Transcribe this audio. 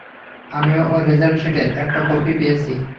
আমিও ওর রেজাল্ট শিটের একটা কপি পেয়েছি!